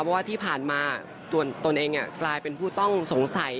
เพราะว่าที่ผ่านมาตนเองกลายเป็นผู้ต้องสงสัย